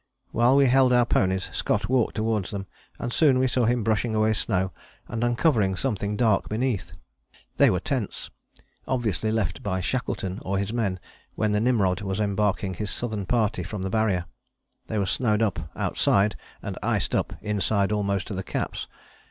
While we held our ponies Scott walked towards them, and soon we saw him brushing away snow and uncovering something dark beneath. They were tents, obviously left by Shackleton or his men when the Nimrod was embarking his Southern party from the Barrier. They were snowed up outside, and iced up inside almost to the caps.